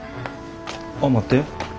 あっ待って。